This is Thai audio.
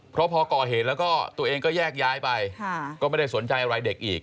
เพราะพอก่อเหตุแล้วก็ตัวเองก็แยกย้ายไปก็ไม่ได้สนใจอะไรเด็กอีก